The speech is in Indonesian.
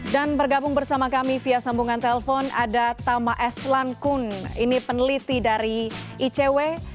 dan bergabung bersama kami via sambungan telepon ada tama eslan kun ini peneliti dari icw